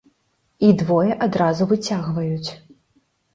І двое адразу выцягваюць.